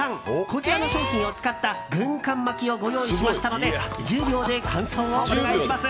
こちらの商品を使った軍艦巻きをご用意しましたので１０秒で感想をお願いします！